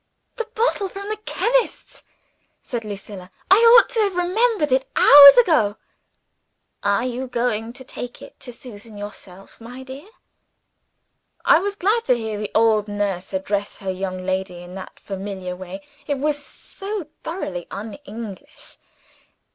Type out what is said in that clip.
"The bottle from the chemist's," said Lucilla. "I ought to have remembered it hours ago." "Are you going to take it to Susan yourself, my dear?" I was glad to hear the old nurse address her young lady in that familiar way. It was so thoroughly un English.